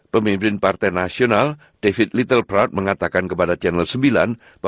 pemimpin partai nasional david littlebrough mengatakan kepentingannya